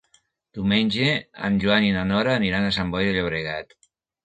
Diumenge en Joan i na Nora aniran a Sant Boi de Llobregat.